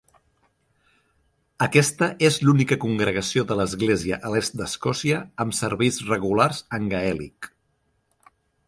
Aquesta és l'única congregació de l'Església a l'est d'Escòcia, amb serveis regulars en gaèlic.